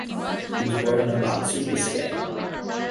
He was born in Arratzu, Biscay.